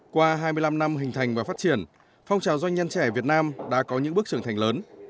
qua hai mươi năm năm hình thành và phát triển phong trào doanh nhân trẻ việt nam đã có những bước trưởng thành lớn